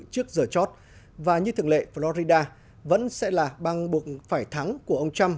trước giờ chót và như thường lệ florida vẫn sẽ là bang buộc phải thắng của ông trump